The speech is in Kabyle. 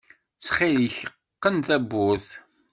Txil-k qqen tawwurt!